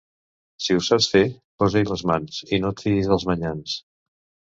Si ho saps fer, posa-hi les mans, i no et fiïs de manyans.